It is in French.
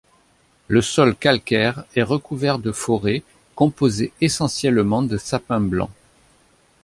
Le sol calcaire est recouvert de forêts composées essentiellement de sapins blancs.